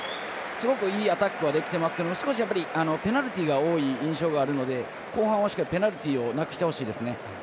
すごくいいアタックはできてますけど少しペナルティが多い印象があるので後半はしっかりペナルティをなくしてほしいですね。